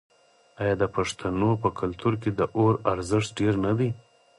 آیا د پښتنو په کلتور کې د اور ارزښت ډیر نه دی؟